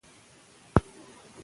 که نمره وي نو ارزونه نه پاتې کیږي.